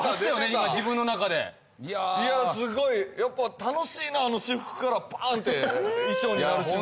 今自分の中でいやすごいやっぱ楽しいな私服からパーンって衣装に変わる瞬間